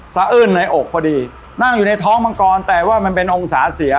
อื้นในอกพอดีนั่งอยู่ในท้องมังกรแต่ว่ามันเป็นองศาเสีย